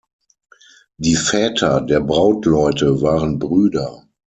Die Väter der Brautleute waren Brüder.